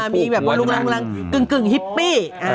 มีแบบลูกลังกึ่งฮิปปี้